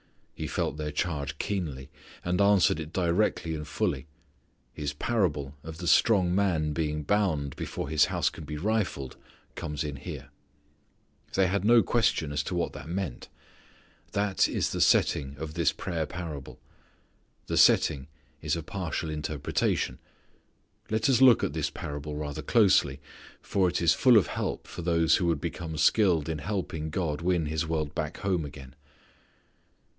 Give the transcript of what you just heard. He felt their charge keenly and answered it directly and fully. His parable of the strong man being bound before his house can be rifled comes in here. They had no question as to what that meant. That is the setting of this prayer parable. The setting is a partial interpretation. Let us look at this parable rather closely, for it is full of help for those who would become skilled in helping God win His world back home again.